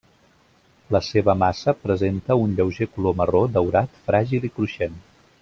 La seva massa presenta un lleuger color marró daurat fràgil i cruixent.